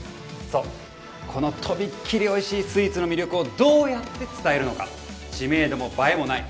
そうこのとびっきりおいしいスイーツの魅力をどうやって伝えるのか知名度も映えもない